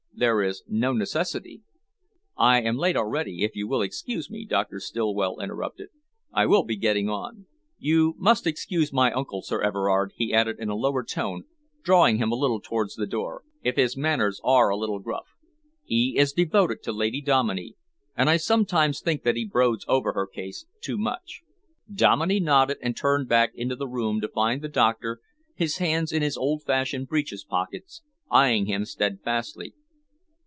There is no necessity " "I am late already, if you will excuse me," Doctor Stillwell interrupted. "I will be getting on. You must excuse my uncle, Sir Everard," he added in a lower tone, drawing him a little towards the door, "if his manners are a little gruff. He is devoted to Lady Dominey, and I sometimes think that he broods over her case too much." Dominey nodded and turned back into the room to find the doctor, his hands in his old fashioned breeches pockets, eyeing him steadfastly.